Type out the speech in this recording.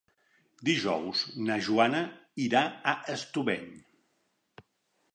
Dijous na Joana irà a Estubeny.